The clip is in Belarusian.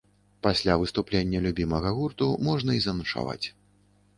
Пасля выступлення любімага гурту можна і заначаваць.